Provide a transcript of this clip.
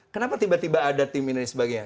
kenapa tiba tiba ada tim ini dan sebagainya